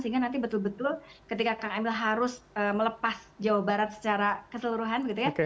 sehingga nanti betul betul ketika kang emil harus melepas jawa barat secara keseluruhan gitu ya